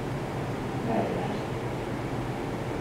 Merre jársz?